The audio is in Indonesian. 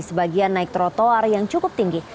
sebagian naik trotoar yang cukup tinggi